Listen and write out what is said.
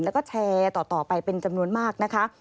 แล้วก็แชร์ต่อไปเป็นจำนวนมากนะคะ